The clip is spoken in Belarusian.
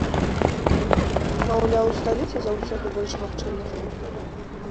Маўляў, у сталіцы заўсёды больш магчымасцяў.